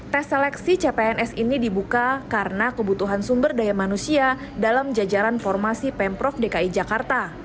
tes seleksi cpns ini dibuka karena kebutuhan sumber daya manusia dalam jajaran formasi pemprov dki jakarta